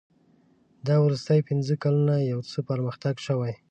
دا وروستي پنځه کلونه یو څه پرمختګ شوی.